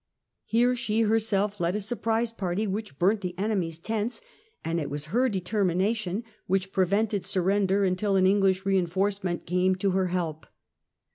Here she her self led a surprise party which burnt the enemy's tents, and it was her determination which prevented surrender until an English reinforcement came to her help.